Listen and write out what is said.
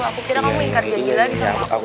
aku kira kamu ingkar jadi lagi sama aku